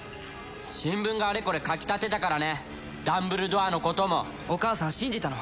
新聞があれこれ書き立てたからねダンブルドアのこともお母さん信じたの？